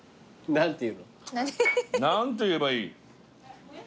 何て言えばいい？